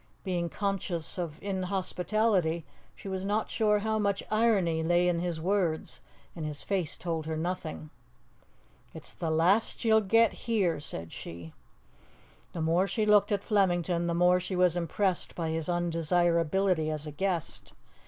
Being conscious of inhospitality, she was not sure how much irony lay in his words, and his face told her nothing. "It's the last ye'll get here," said she. The more she looked at Flemington the more she was impressed by his undesirability as a guest.